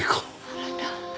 あなた。